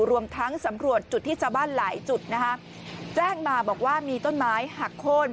รวมทั้งสำรวจจุดที่ชาวบ้านหลายจุดนะคะแจ้งมาบอกว่ามีต้นไม้หักโค้น